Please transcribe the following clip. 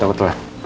aku takut lah